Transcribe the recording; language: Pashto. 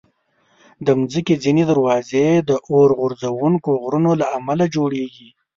د مځکې ځینې دروازې د اورغورځونکو غرونو له امله جوړېږي.